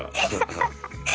ハハハ！